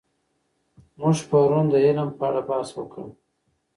موږ پرون د علم په اړه بحث وکړ.